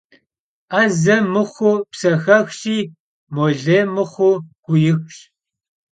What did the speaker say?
'eze mıxhu psexexşi, mole mıxhu guixş.